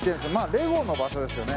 レゴの場所ですよね